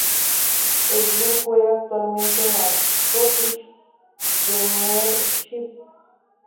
El club juega actualmente en la Scottish Premiership.